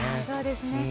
そうですね。